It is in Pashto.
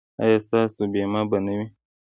ایا ستاسو بیمه به نه وي؟